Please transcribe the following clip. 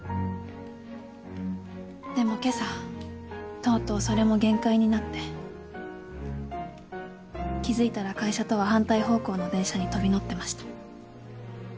でも今朝とうとうそれも限界になって気付いたら会社とは反対方向の電車に飛び乗ってました。